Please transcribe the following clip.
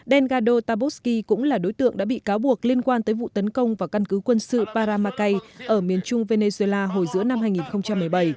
dela tabosky cũng là đối tượng đã bị cáo buộc liên quan tới vụ tấn công vào căn cứ quân sự paramacai ở miền trung venezuela hồi giữa năm hai nghìn một mươi bảy